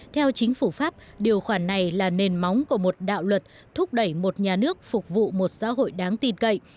theo chính phủ pháp điều khoản này là nền móng của một đạo luật thúc đẩy một nhà nước phục vụ một xã hội đáng tin cậy